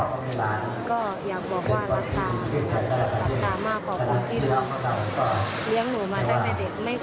ก็อยากบอกว่ารักตารักตามากกว่าคนที่เลี้ยงหนูมาตั้งแต่เด็ก